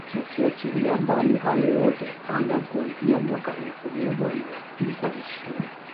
Ukiachilia mbali hayo yote Tanga kuanzia mwaka elfu moja mia tisa ishirini